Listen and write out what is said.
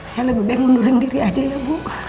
saya lebih baik mundurin diri aja ya bu